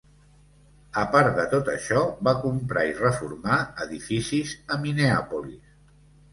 A part de tot això, va comprar i reformar edificis a Minneapolis.